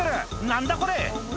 「何だこれ！」